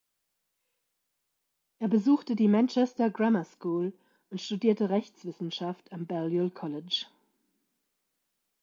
Er besuchte die Manchester Grammar School und studierte Rechtswissenschaft am Balliol College.